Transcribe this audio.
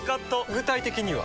具体的には？